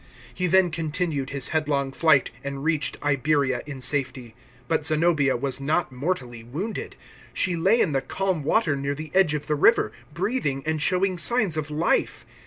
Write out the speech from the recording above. He then continued his headlong flight, and reached Iberia in safety. But Zenobia was not mortally wounded. She lay in the calm water near the edge of the rr*er, breathing and showing signs of life.